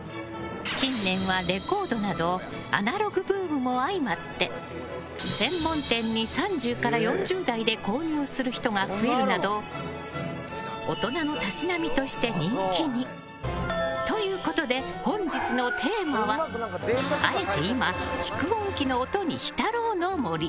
近年はレコードなどアナログブームもあいまって専門店に３０から４０代で購入する人が増えるなど大人のたしなみとして人気に。ということで、本日のテーマはあえて今蓄音機の音に浸ろうの森。